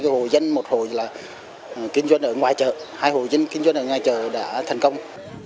hồ dân một hồ là kinh doanh ở ngoài chợ hai hồ dân kinh doanh ở ngoài chợ đã thành công